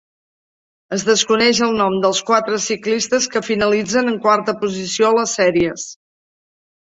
Es desconeix el nom dels quatre ciclistes que finalitzen en quarta posició a les sèries.